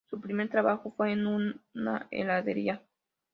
Su primer trabajo fue en una heladería.